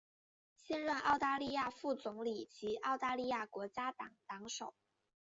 现任澳大利亚副总理及澳大利亚国家党党首。